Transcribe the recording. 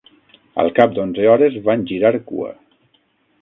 Al cap d'onze hores van girar cua.